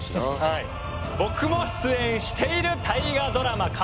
僕も出演している大河ドラマ